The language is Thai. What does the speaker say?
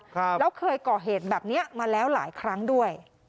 ครับแล้วเคยก่อเหตุแบบเนี้ยมาแล้วหลายครั้งด้วย